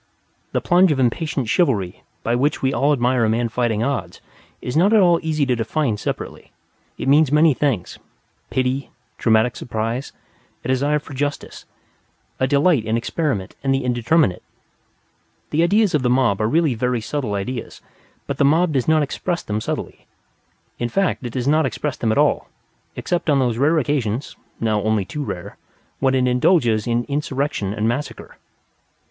The plunge of impatient chivalry by which we all admire a man fighting odds is not at all easy to define separately, it means many things, pity, dramatic surprise, a desire for justice, a delight in experiment and the indeterminate. The ideas of the mob are really very subtle ideas; but the mob does not express them subtly. In fact, it does not express them at all, except on those occasions (now only too rare) when it indulges in insurrection and massacre.